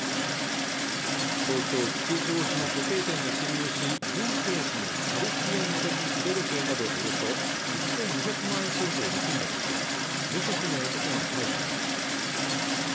東京吉祥寺の時計店に侵入しヴィンテージのカルティエの腕時計などおよそ１２００万円相当を盗んだとして無職の男が逮捕されました